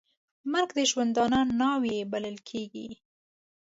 مرګ د ژوندانه ناوې بلل کېږي .